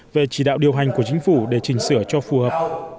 về chỉ đạo điều hành của chính phủ để chỉnh sửa cho phù hợp